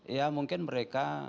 ya mungkin mereka